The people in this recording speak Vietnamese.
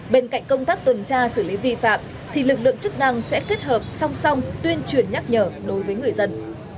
bên cạnh công tác tuần tra xử lý vi phạm thì lực lượng chức năng sẽ kết hợp song song tuyên truyền nhắc nhở đối với người dân